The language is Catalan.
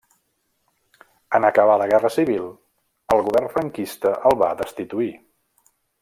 En acabar la guerra civil el govern franquista el va destituir.